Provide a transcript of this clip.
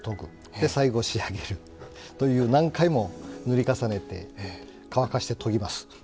で最後仕上げるという何回も塗り重ねて乾かして研ぎます。